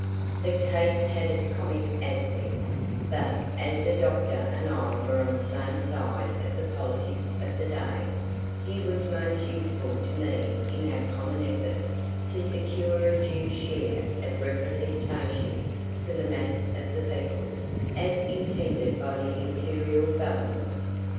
The case had its comic aspect, but as the doctor and I were on the same side of the politics of the day, he was most useful to me in our common effort to secure a due share of representation for the mass of the people, as intended by the Imperial Government.